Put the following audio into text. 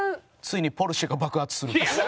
ついにポルシェが爆発する。